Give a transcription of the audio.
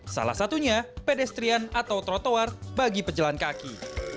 salah satunya pedestrian atau trotoar bagi pejalan kaki